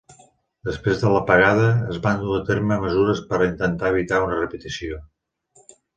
Després de l'apagada, es van dur a terme mesures per intentar evitar una repetició.